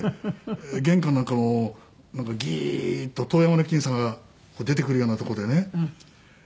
玄関なんかもギーッと遠山の金さんが出てくるような所でね。